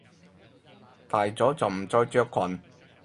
大咗就唔再着裙！